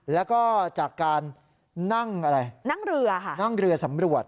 แล้วก็จากการนั่งเรือสำรวจ